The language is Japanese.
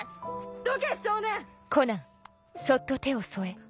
どけ少年！